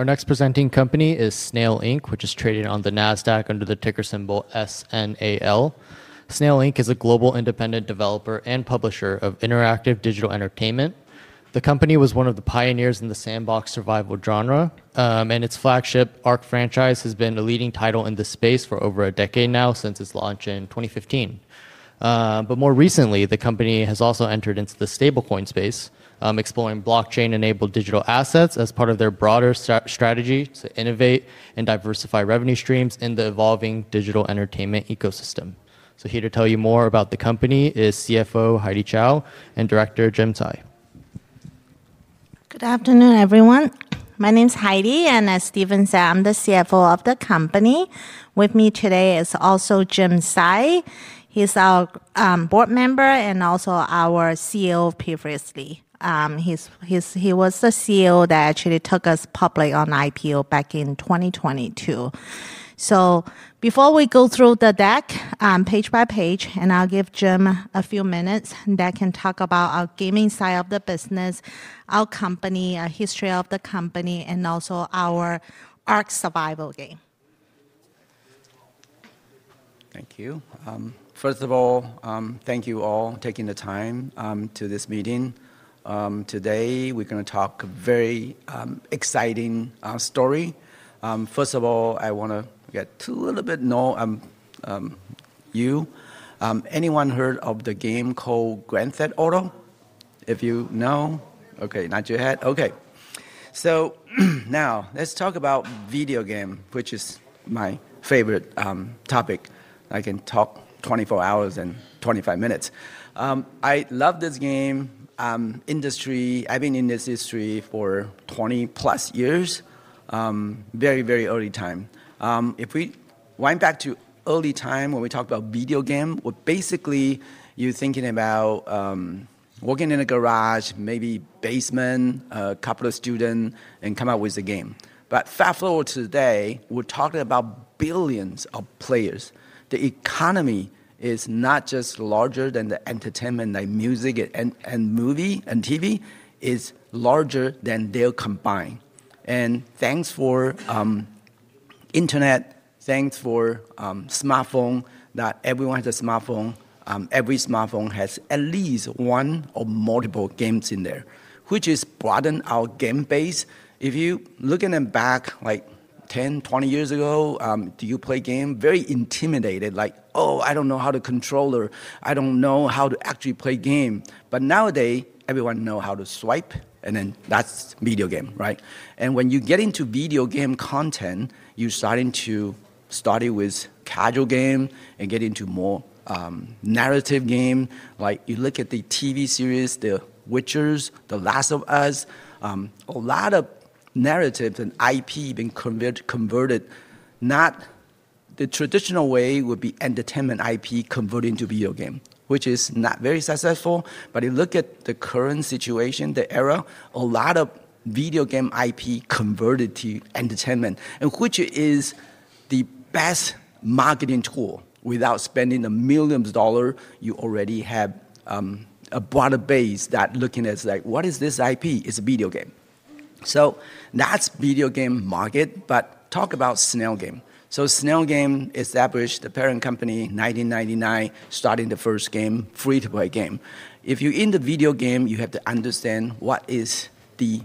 ... Our next presenting company is Snail Inc., which is traded on the NASDAQ under the ticker symbol S-N-A-L. Snail Inc. is a global independent developer and publisher of interactive digital entertainment. The company was one of the pioneers in the sandbox survival genre, and its flagship ARK franchise has been the leading title in this space for over a decade now, since its launch in 2015. But more recently, the company has also entered into the stablecoin space, exploring blockchain-enabled digital assets as part of their broader strategy to innovate and diversify revenue streams in the evolving digital entertainment ecosystem. So here to tell you more about the company is CFO Heidy Chow and Director Jim Tsai. Good afternoon, everyone. My name is Heidy, and as Steven said, I'm the CFO of the company. With me today is also Jim Tsai. He's our board member and also our CEO previously. He was the CEO that actually took us public on IPO back in 2022. So before we go through the deck, page by page, and I'll give Jim a few minutes that can talk about our gaming side of the business, our company, our history of the company, and also our Ark survival game. Thank you. First of all, thank you all taking the time to this meeting. Today we're going to talk very exciting story. First of all, I wanna get to a little bit know you. Anyone heard of the game called Grand Theft Auto? If you know... Okay, nod your head. Okay. So now let's talk about video game, which is my favorite topic. I can talk twenty-four hours and twenty-five minutes. I love this game industry. I've been in this industry for twenty-plus years, very early time. If we wind back to early time when we talk about video game, well, basically, you're thinking about working in a garage, maybe basement, a couple of student, and come out with a game. But fast-forward to today, we're talking about billions of players. The economy is not just larger than the entertainment, like music and movie and TV, is larger than they combined, and thanks to the internet, thanks to the smartphone. Not everyone has a smartphone. Every smartphone has at least one or multiple games in there, which is broaden our gamer base. If you looking back, like, 10, 20 years ago, do you play game? Very intimidated, like, "Oh, I don't know how to controller. I don't know how to actually play game." But nowadays, everyone know how to swipe, and then that's video game, right? When you get into video game content, you're starting to start it with casual game and get into more narrative game. Like, you look at the TV series, The Witcher, The Last of Us, a lot of narratives and IP been converted. Not the traditional way would be entertainment IP converted into video game, which is not very successful. But you look at the current situation, the era. A lot of video game IP converted to entertainment, and which is the best marketing tool. Without spending millions of dollars, you already have a broader base that's looking, like, "What is this IP?" It's a video game. So that's video game market, but talk about Snail Games. So Snail Games established the parent company in nineteen ninety-nine, starting the first game, free-to-play game. If you're in the video game, you have to understand what is the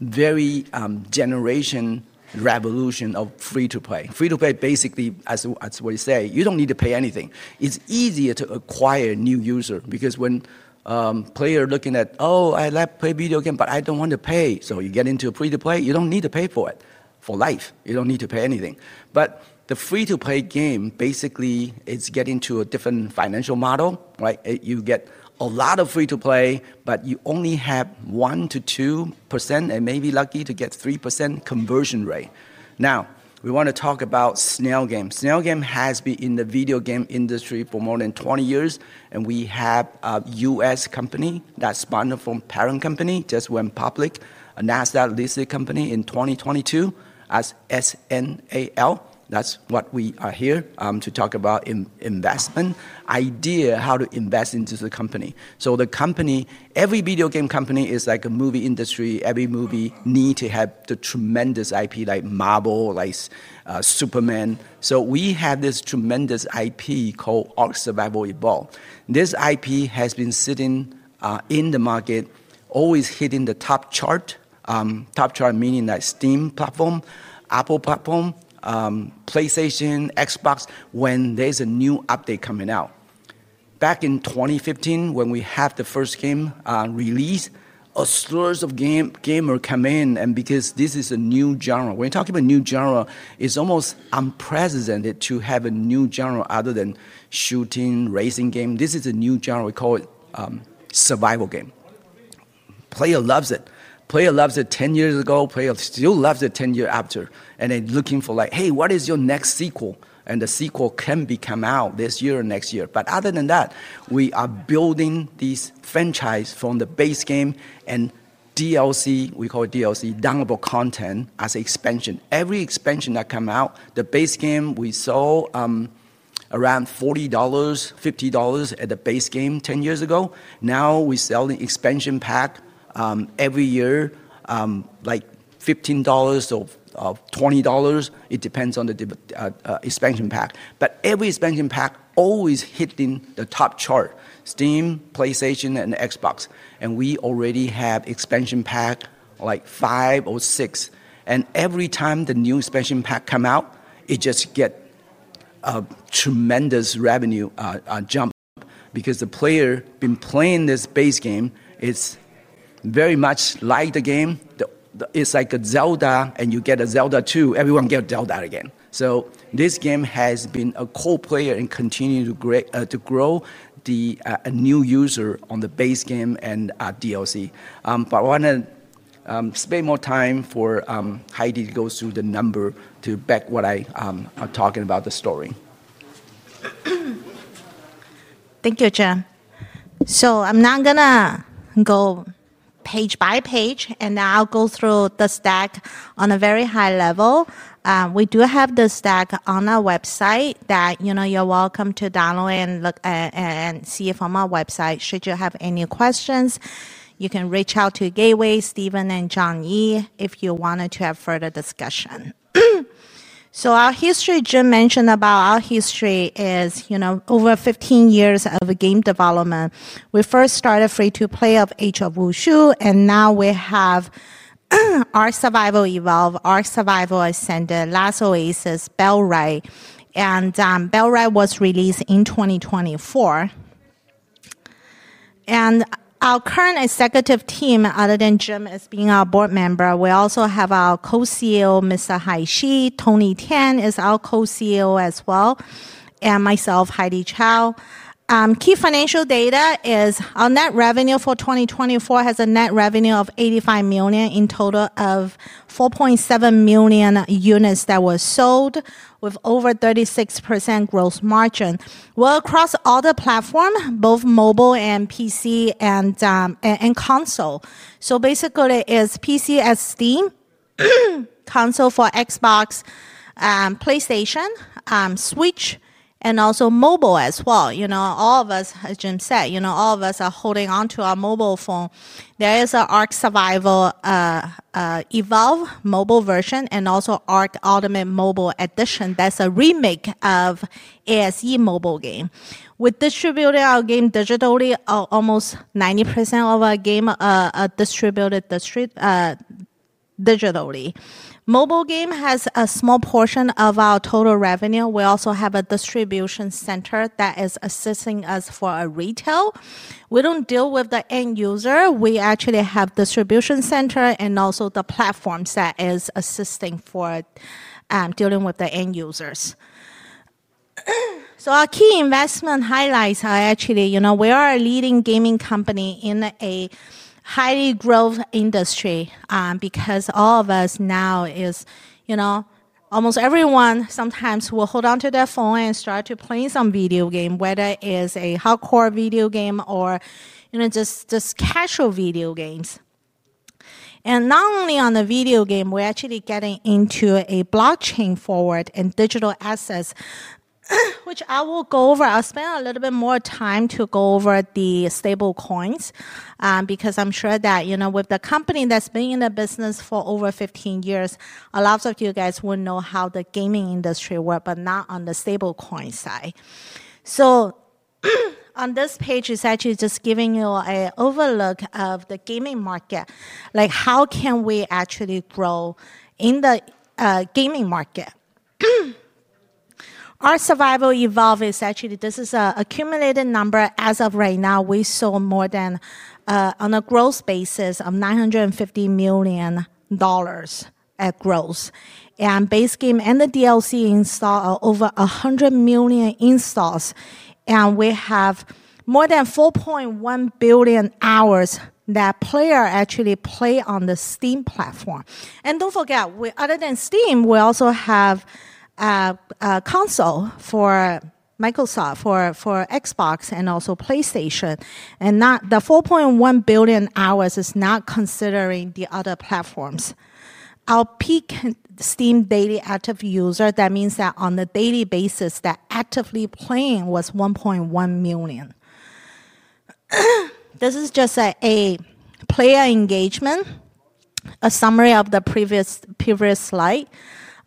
very generation revolution of free-to-play. Free-to-play, basically, as we say, you don't need to pay anything. It's easier to acquire a new user because when a player looking at, "Oh, I like play video game, but I don't want to pay." So you get into a free-to-play, you don't need to pay for it for life. You don't need to pay anything. But the free-to-play game, basically, it's getting to a different financial model, right? You get a lot of free to play, but you only have 1%-2%, and maybe lucky to get 3% conversion rate. Now, we want to talk about Snail Games. Snail Games has been in the video game industry for more than 20 years, and we have a U.S. company that spun off from parent company, just went public, a NASDAQ-listed company in 2022 as SNAL. That's what we are here to talk about investment idea how to invest into the company. The company—every video game company is like a movie industry. Every movie need to have the tremendous IP, like Marvel, like, Superman. We have this tremendous IP called ARK: Survival Evolved. This IP has been sitting in the market, always hitting the top chart, top chart, meaning like Steam platform, Apple platform, PlayStation, Xbox, when there's a new update coming out. Back in 2015, when we have the first game released, a surge of gamer come in, and because this is a new genre. When you're talking about new genre, it's almost unprecedented to have a new genre other than shooting, racing game. This is a new genre. We call it survival game. Player loves it. Player loves it ten years ago, player still loves it ten year after, and they're looking for like, "Hey, what is your next sequel?" And the sequel can be come out this year or next year. But other than that, we are building this franchise from the base game and DLC, we call it DLC, downloadable content, as expansion. Every expansion that come out, the base game we saw around $40-$50 at the base game 10 years ago. Now we sell the expansion pack every year, like $15 or $20, it depends on the expansion pack. But every expansion pack always hitting the top chart: Steam, PlayStation, and Xbox, and we already have expansion pack like five or six. Every time the new expansion pack come out, it just get a tremendous revenue jump, because the player been playing this base game. It's very much like the game. It's like a Zelda, and you get a Zelda 2, everyone get Zelda again. So this game has been a core player and continue to grow a new user on the base game and DLC. But I want to spend more time for Heidy to go through the number to back what I am talking about the story. Thank you, Jim. I'm not going to go page by page, and I'll go through the stack on a very high level. We do have the stack on our website that, you know, you're welcome to download and look and see from our website. Should you have any questions, you can reach out to Gateway, Steven and John Yee, if you wanted to have further discussion. Our history, Jim mentioned about our history is, you know, over fifteen years of game development. We first started free-to-play of Age of Wushu, and now we have Ark: Survival Evolved, Ark: Survival Ascended, Last Oasis, Bellwright. Bellwright was released in 2024. Our current executive team, other than Jim as being our board member, we also have our co-CEO, Mr. Hai Shi. Tony Tan is our co-CEO as well, and myself, Heidy Chow. Key financial data is our net revenue for 2024 has a net revenue of $85 million in total of 4.7 million units that were sold, with over 36% gross margin. Across all the platform, both mobile and PC, and console. Basically it is PC as Steam, console for Xbox, PlayStation, Switch, and also mobile as well. You know, all of us, as Jim said, you know, all of us are holding on to our mobile phone. There is ARK: Survival Evolved mobile version and also ARK Ultimate Mobile Edition. That's a remake of ASE mobile game. We distributed our game digitally, almost 90% of our game distributed digitally. Mobile game has a small portion of our total revenue. We also have a distribution center that is assisting us for our retail. We don't deal with the end user. We actually have distribution center and also the platforms that is assisting for dealing with the end users, so our key investment highlights are actually, you know, we are a leading gaming company in a highly growth industry, because all of us now is, you know, almost everyone sometimes will hold on to their phone and start to play some video game, whether it is a hardcore video game or, you know, just casual video games, and not only on the video game, we're actually getting into a blockchain forward and digital assets, which I will go over. I'll spend a little bit more time to go over the stablecoins, because I'm sure that, you know, with the company that's been in the business for over 15 years, a lot of you guys will know how the gaming industry work, but not on the stablecoin side. So, on this page, it's actually just giving you an overview of the gaming market. Like, how can we actually grow in the gaming market? ARK: Survival Evolved is actually. This is an accumulated number. As of right now, we sold more than, on a gross basis, of $950 million in gross. And base game and the DLC installs are over 100 million installs, and we have more than 4.1 billion hours that players actually play on the Steam platform. Don't forget, we other than Steam, we also have a console for Microsoft, for Xbox and also PlayStation. The 4.1 billion hours is not considering the other platforms. Our peak Steam daily active user, that means that on a daily basis, that actively playing was 1.1 million. This is just a player engagement, a summary of the previous slide.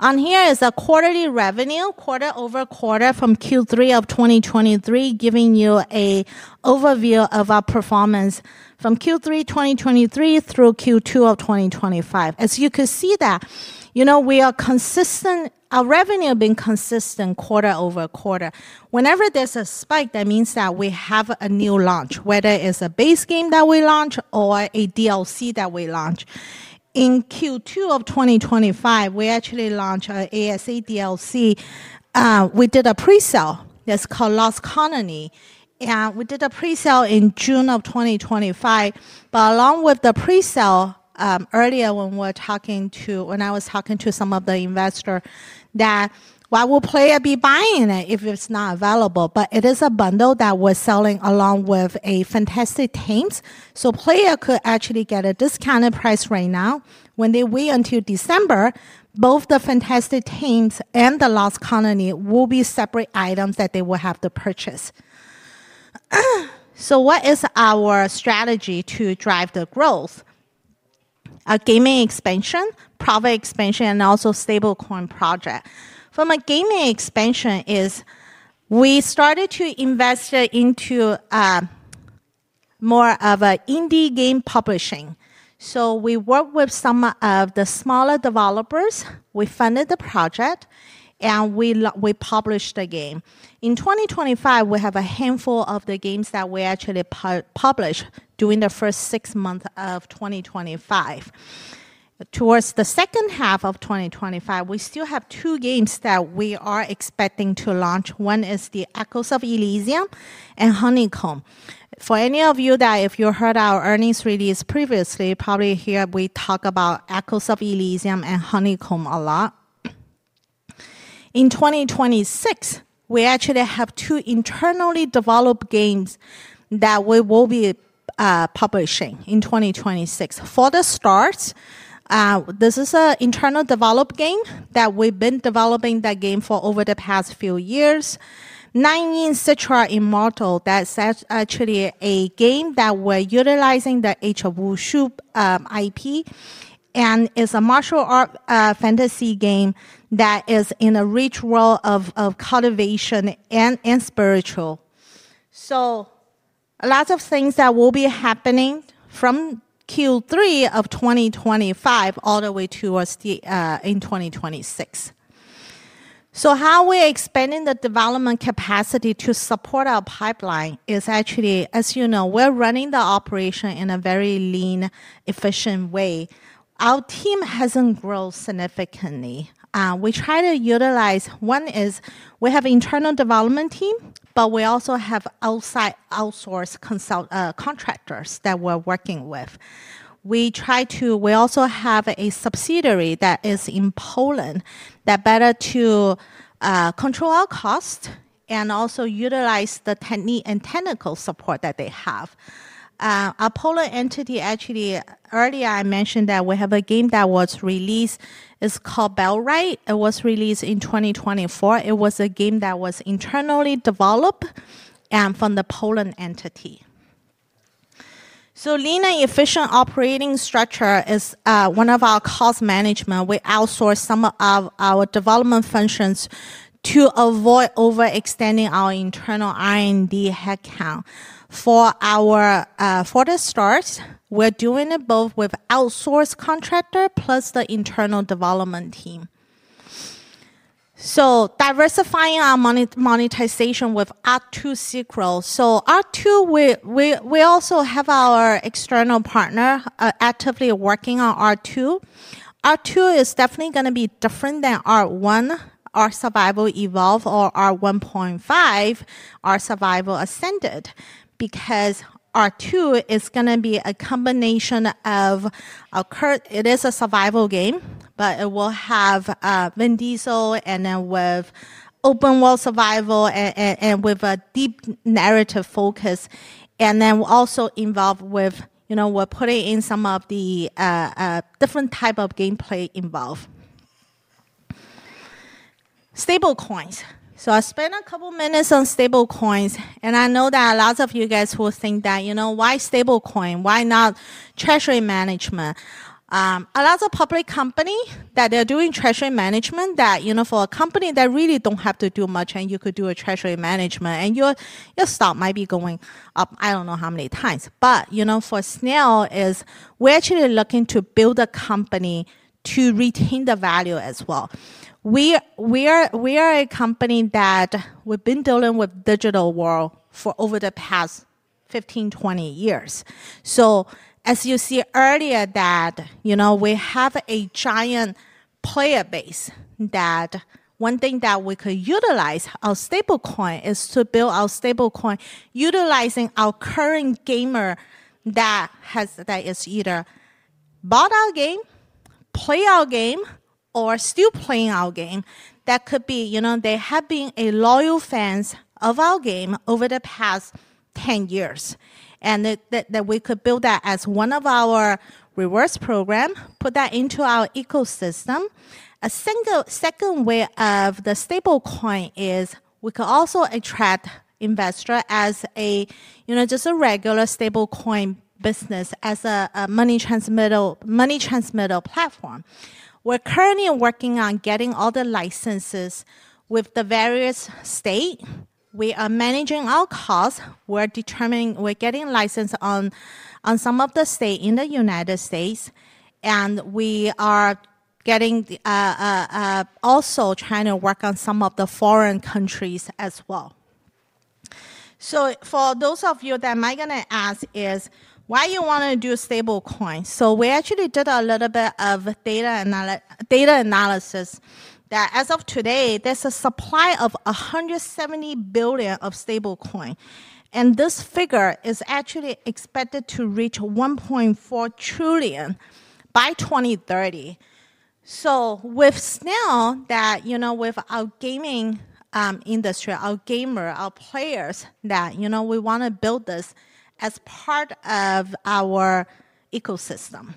On here is a quarterly revenue, quarter over quarter from Q3 of 2023, giving you an overview of our performance from Q3 2023 through Q2 of 2025. As you can see that, you know, we are consistent. Our revenue been consistent quarter over quarter. Whenever there's a spike, that means that we have a new launch, whether it's a base game that we launch or a DLC that we launch. In Q2 of 2025, we actually launched our ASE DLC. We did a pre-sale that's called Lost Colony, and we did a pre-sale in June of 2025. But along with the pre-sale, earlier when I was talking to some of the investor, that why would player be buying it if it's not available? But it is a bundle that we're selling along with a Fantastic Tames. So player could actually get a discounted price right now. When they wait until December, both the Fantastic Tames and the Lost Colony will be separate items that they will have to purchase. So what is our strategy to drive the growth? A gaming expansion, product expansion, and also stablecoin project. From a gaming expansion is we started to invest into more of a indie game publishing. We worked with some of the smaller developers, we funded the project, and we published the game. In 2025, we have a handful of the games that we actually published during the first six months of 2025. Towards the second half of 2025, we still have two games that we are expecting to launch. One is Echoes of Elysium and Honeycomb. For any of you that if you heard our earnings release previously, probably hear we talk about Echoes of Elysium and Honeycomb a lot. In 2026, we actually have two internally developed games that we will be publishing in 2026. For the Stars, this is an internal developed game that we've been developing that game for over the past few years. Nine Yin Sutra Immortal, that's actually a game that we're utilizing the Age of Wushu IP, and is a martial art fantasy game that is in a rich world of cultivation and spiritual. So a lot of things that will be happening from Q3 of 2025 all the way towards the in 2026. So how we're expanding the development capacity to support our pipeline is actually, as you know, we're running the operation in a very lean, efficient way. Our team hasn't grown significantly. We try to utilize, one is we have internal development team, but we also have outside outsourced consultant contractors that we're working with. We also have a subsidiary that is in Poland, that's better to control our cost and also utilize the technical support that they have. Our Poland entity, actually, earlier I mentioned that we have a game that was released. It's called Bellwright. It was released in 2024. It was a game that was internally developed from the Poland entity. So lean and efficient operating structure is one of our cost management. We outsource some of our development functions to avoid overextending our internal R&D headcount. For the Stars, we're doing it both with outsourced contractor plus the internal development team. So diversifying our monetization with R2 sequel. So R2, we also have our external partner actively working on R2. R2 is definitely going to be different than R1, ARK Survival Evolved, or R 1.5, ARK Survival Ascended, because R2 is going to be a combination of it is a survival game, but it will have Vin Diesel, and then with open world survival, and, and, and with a deep narrative focus. And then we're also involved with, you know, we're putting in some of the different type of gameplay involved. Stablecoins. So I spent a couple minutes on stablecoins, and I know that a lot of you guys will think that, you know, "Why stablecoin? Why not treasury management?" A lot of public companies that they're doing treasury management, that, you know, for a company that really don't have to do much, and you could do a treasury management, and your stock might be going up I don't know how many times. But you know, for Snail, as we're actually looking to build a company to retain the value as well. We are a company that we've been dealing with the digital world for over the past 15-20 years. So as you see earlier, you know, we have a giant player base. One thing that we could utilize our stablecoin is to build our stablecoin utilizing our current gamer that has either bought our game, play our game, or still playing our game. That could be, you know, they have been a loyal fans of our game over the past ten years, and that we could build that as one of our rewards program, put that into our ecosystem. A single second way of the stablecoin is we could also attract investor as a, you know, just a regular stablecoin business, as a money transmittal platform. We're currently working on getting all the licenses with the various state. We are managing our costs. We're getting licensed on some of the state in the United States, and we are also trying to work on some of the foreign countries as well. For those of you that might going to ask is: Why you want to do stablecoin? We actually did a little bit of data analysis, that as of today, there's a supply of $170 billion of stablecoin, and this figure is actually expected to reach $1.4 trillion by 2030. With Snail, that, you know, with our gaming industry, our gamer, our players, that, you know, we want to build this as part of our ecosystem.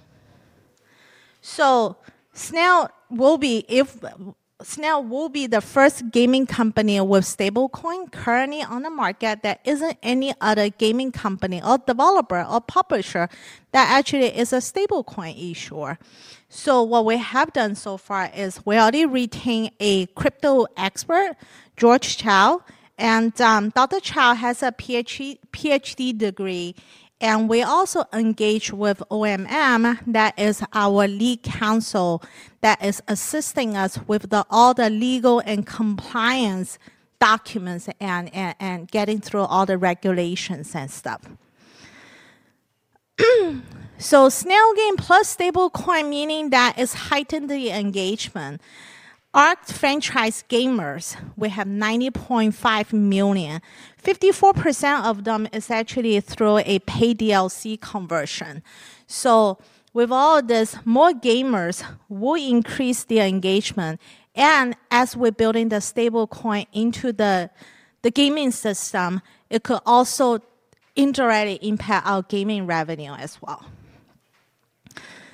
Snail will be the first gaming company with stablecoin currently on the market. There isn't any other gaming company or developer or publisher that actually is a stablecoin issuer. So what we have done so far is we already retained a crypto expert, George Chao, and Dr. Chao has a PhD degree, and we also engage with OMM. That is our lead counsel that is assisting us with all the legal and compliance documents, and getting through all the regulations and stuff. So Snail Games plus stablecoin, meaning that is heightened the engagement. ARK franchise gamers, we have 90.5 million. 54% of them is actually through a paid DLC conversion. So with all this, more gamers will increase the engagement, and as we're building the stablecoin into the gaming system, it could also indirectly impact our gaming revenue as well.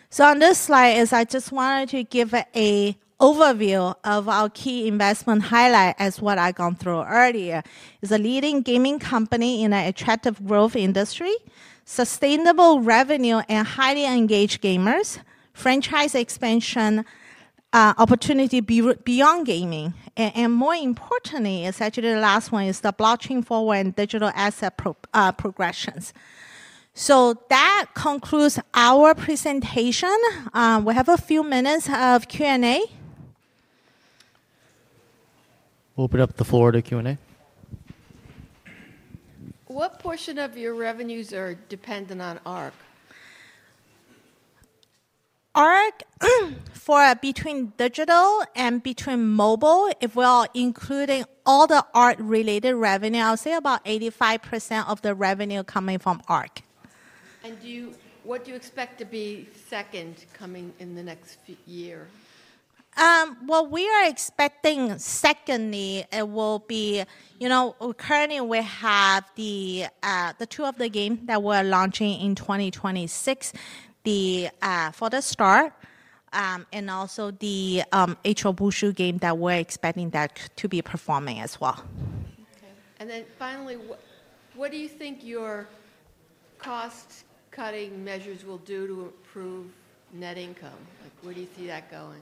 So on this slide is I just wanted to give an overview of our key investment highlight, as what I've gone through earlier. Is a leading gaming company in an attractive growth industry, sustainable revenue, and highly engaged gamers, franchise expansion, opportunity beyond gaming. And more importantly, is actually the last one, is the blockchain forward and digital asset progressions. So that concludes our presentation. We have a few minutes of Q&A. Open up the floor to Q&A. What portion of your revenues are dependent on Ark? ARK, for between digital and mobile, if we are including all the ARK-related revenue, I'll say about 85% of the revenue coming from ARK. What do you expect to be second coming in the next few years? What we are expecting secondly, it will be, you know, currently we have the two games that we're launching in 2026, the For the Stars, and also the Age of Wushu game that we're expecting that to be performing as well. Okay, and then finally, what do you think your cost-cutting measures will do to improve net income? Like, where do you see that going?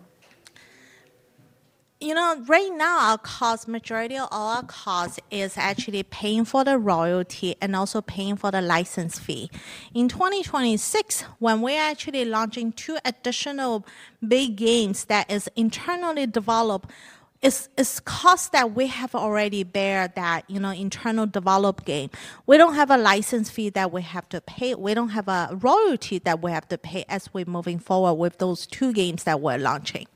You know, right now, our cost, majority of all our cost is actually paying for the royalty and also paying for the license fee. In twenty twenty-six, when we're actually launching two additional big games that is internally developed, cost that we have already bear, that, you know, internal developed game. We don't have a license fee that we have to pay. We don't have a royalty that we have to pay as we're moving forward with those two games that we're launching.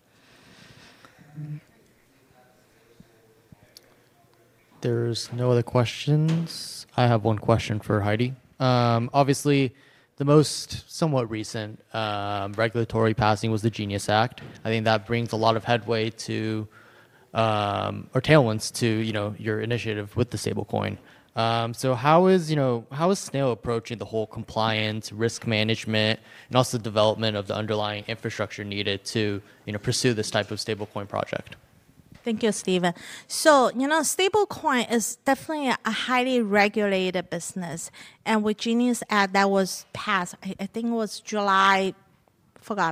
Mm-hmm. There's no other questions? I have one question for Heidy. Obviously, the most somewhat recent regulatory passing was the Genius Act. I think that brings a lot of headway to... or tailwinds to, you know, your initiative with the stablecoin. So how is, you know, how is Snail approaching the whole compliance, risk management, and also development of the underlying infrastructure needed to, you know, pursue this type of stablecoin project? Thank you, Steven. So, you know, stablecoin is definitely a highly regulated business, and with Genius Act that was passed, I think it was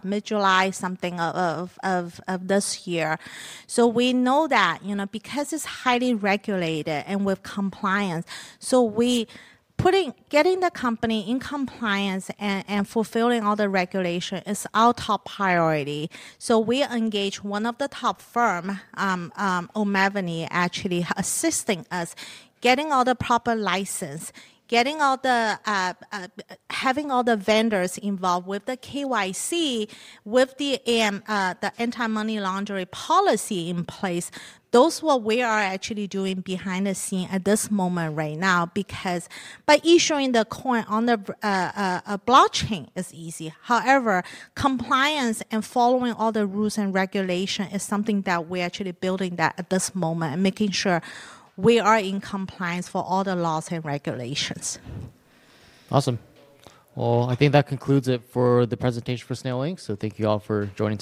mid-July, something of this year. So we know that, you know, because it's highly regulated and with compliance, so we getting the company in compliance and fulfilling all the regulation is our top priority. So we engage one of the top firm, O'Melveny, actually assisting us, getting all the proper license, getting all the, having all the vendors involved with the KYC, with the anti-money laundering policy in place. That's what we are actually doing behind the scenes at this moment right now, because by issuing the coin on a blockchain is easy. However, compliance and following all the rules and regulations is something that we're actually building that at this moment and making sure we are in compliance for all the laws and regulations. Awesome. Well, I think that concludes it for the presentation for Snail Inc., so thank you all for joining today.